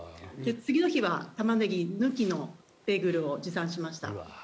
次の日はタマネギ抜きのベーグルを持参しました。